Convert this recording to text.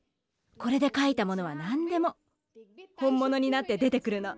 これでかいたものはなんでも本ものになって出てくるの。